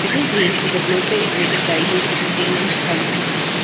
Methyl green is a closely related dye used as a stain in histology.